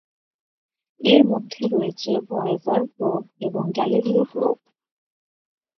এর মধ্যে রয়েছে ভয়েজার প্রোব এবং গ্যালিলিও প্রোব।